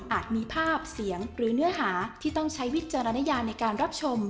มีภาพเสียงหรือเนื้อหาที่ต้องใช้วิจารณญาในการรับชม